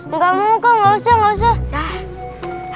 enggak mau kak enggak usah enggak usah